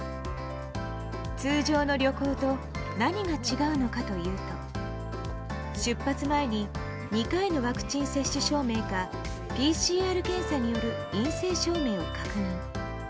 通常の旅行と何が違うのかというと出発前に２回のワクチン接種証明かＰＣＲ検査による陰性証明を確認。